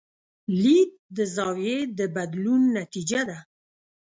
لید د زاویې د بدلون نتیجه ده.